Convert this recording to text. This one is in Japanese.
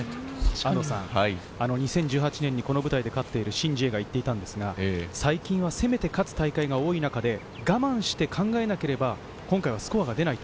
２０１８年にこの舞台で勝っているシン・ジエが言っていたんですが、最近は攻めて勝つ大会が多い中で我慢して考えなければ、今回はスコアは出ない。